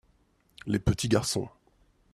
les petits garçons.